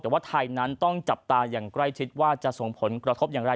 แต่ว่าไทยนั้นต้องจับตาอย่างใกล้ชิดว่าจะส่งผลกระทบอย่างไร